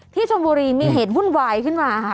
ที่ชมบุรีมีเหตุวุ่นวายขึ้นมา